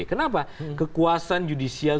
kenapa kekuasaan judisial